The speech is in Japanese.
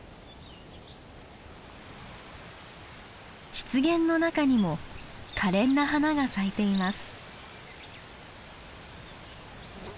湿原の中にもかれんな花が咲いています。